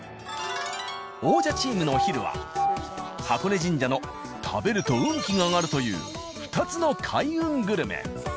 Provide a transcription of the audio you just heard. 王者チームのお昼は箱根神社の食べると運気が上がるという２つの開運グルメ。